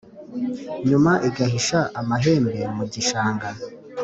hanyuma igahisha amahembe mu gishanga,